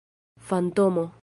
fantomo